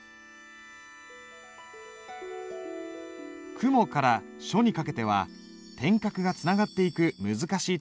「雲」から「書」にかけては点画がつながっていく難しいところだ。